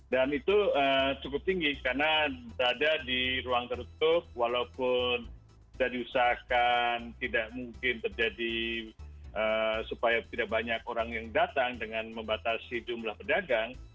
dan itu cukup tinggi karena berada di ruang tertutup walaupun tidak diusahakan tidak mungkin terjadi supaya tidak banyak orang yang datang dengan membatasi jumlah pedagang